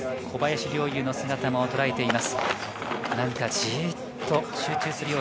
小林陵侑の姿もとらえています。